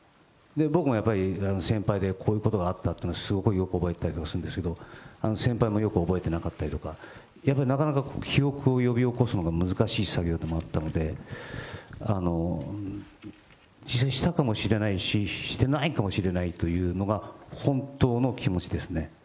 僕もやっぱり先輩で、こういうことがあったというのは、すごくよく覚えてたりとかするんですけど、先輩もよく覚えてなかったりとか、やっぱりなかなか記憶を呼び起こすのが難しい作業でもあったので、実際にしたかもしれないし、してないかもしれないというのが本当の気持ちですね。